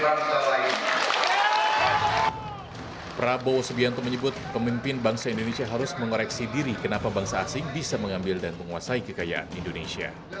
prabowo subianto menyebut pemimpin bangsa indonesia harus mengoreksi diri kenapa bangsa asing bisa mengambil dan menguasai kekayaan indonesia